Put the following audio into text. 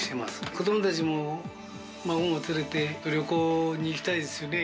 子どもたちも孫も連れて旅行に行きたいですよね。